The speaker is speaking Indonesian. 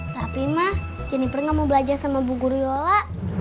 tapi ma jennifer gak mau belajar sama bu guryola